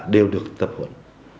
đều được tập huẩn